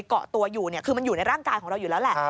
เกาะตัวอยู่คือมันอยู่ในร่างกายของเราอยู่แล้วแหละ